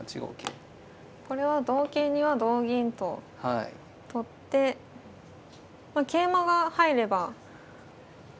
これは同桂には同銀と取って桂馬が入ればこっち方面で。